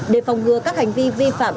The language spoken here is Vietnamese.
để phòng ngừa các hành vi vi phạm